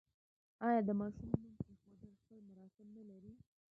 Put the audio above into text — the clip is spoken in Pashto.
آیا د ماشوم نوم ایښودل خپل مراسم نلري؟